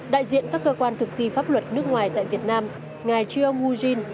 đại diện các cơ quan thực thi pháp luật nước ngoài tại việt nam ngài chio mu jin